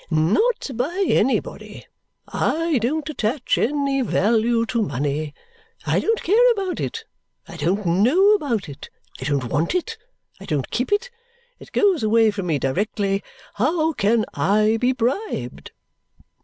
"Not by anybody. I don't attach any value to money. I don't care about it, I don't know about it, I don't want it, I don't keep it it goes away from me directly. How can I be bribed?"